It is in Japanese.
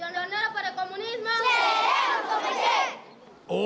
お！